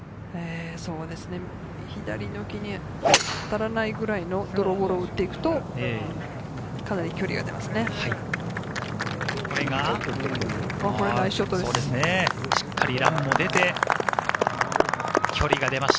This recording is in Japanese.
左の木に当たらないぐらいのドローフォローを打っていくと、かなり距離が出ます。